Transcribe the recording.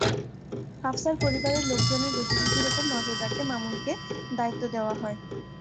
হাফসার পরিবারের লোকজনের গতিবিধির ওপর নজর রাখতে মামুনকে দায়িত্ব দেওয়া হয়।